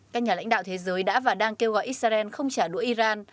các nhà lãnh đạo thế giới đã và đang kêu gọi israel không trả đũa iran